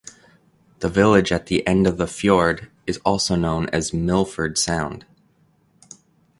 The village at the end of the fiord is also known as Milford Sound.